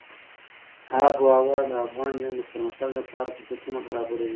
آب وهوا د افغان نجونو د پرمختګ لپاره فرصتونه برابروي.